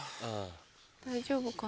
大丈夫かな。